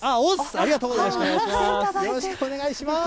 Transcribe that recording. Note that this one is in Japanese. ありがとうございます。